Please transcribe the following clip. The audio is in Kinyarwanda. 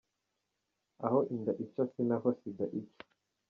Aho inda ica ni naho Sida ica.